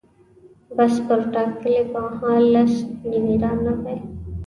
بس پر ټاکلي مهال لس نیمې رانغی.